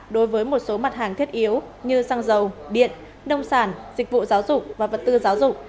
đối với một số mặt hàng thiết yếu như xăng dầu điện nông sản dịch vụ giáo dục và vật tư giáo dục